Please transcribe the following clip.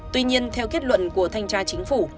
tuy nhiên theo kết luận của thanh tra chính phủ